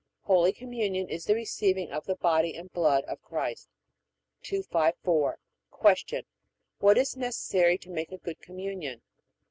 Holy Communion is the receiving of the body and blood of Christ. 254. Q. What is necessary to make a good Communion?